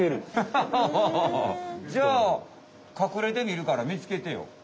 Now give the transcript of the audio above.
じゃあ隠れてみるから見つけてよ。